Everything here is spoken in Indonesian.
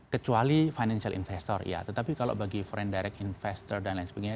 kecuali financial investor ya tetapi kalau bagi forei direct investor dan lain sebagainya